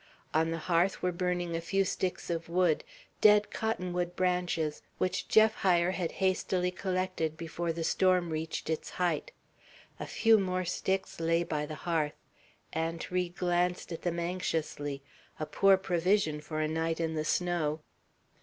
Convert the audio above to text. On the hearth were burning a few sticks of wood, dead cottonwood branches, which Jef Hyer had hastily collected before the storm reached its height. A few more sticks lay by the hearth. Aunt Ri glanced at them anxiously. A poor provision for a night in the snow.